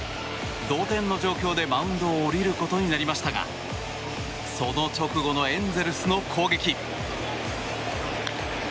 同点の状況で、マウンドを降りることになりましたがその直後のエンゼルスの攻撃。